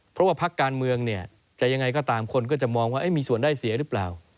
เพราะว่าพักการเมืองเนี่ยจะยังไงก็ตามคนก็จะมองว่ามีส่วนได้เสียหรือเปล่า